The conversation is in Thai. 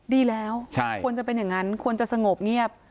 ดีแล้วควรจะเป็นอย่างนั้นควรจะสงบเงียบ